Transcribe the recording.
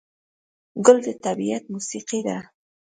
ګل د طبیعت موسیقي ده.